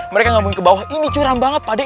mereka ngambil ke bawah ini curam banget pak deh